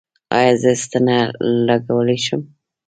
ایا زه ستنه لګولی شم؟